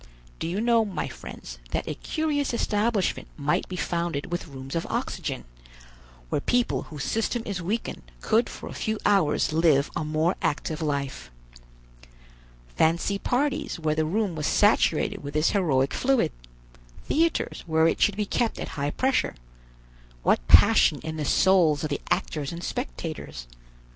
Do you know, my friends, that a curious establishment might be founded with rooms of oxygen, where people whose system is weakened could for a few hours live a more active life. Fancy parties where the room was saturated with this heroic fluid, theaters where it should be kept at high pressure; what passion in the souls of the actors and spectators!